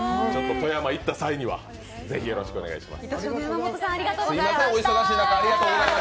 富山行った際には、ぜひお願いします。